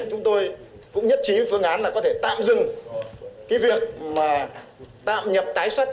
chúng tôi cũng nhất trí phương án là có thể tạm dừng việc tạm nhập tái xuất